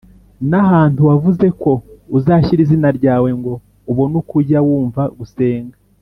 n’ahantu wavuze ko uzashyira izina ryawe, ngo ubone uko ujya wumva gusenga